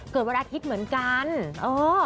เกิดวันอาทิตย์เหมือนกันเออ